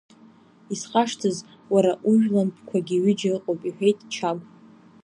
Исхашҭыз, уара ужәлантәқәагьы ҩыџьа ыҟоуп, – иҳәеит Чагә.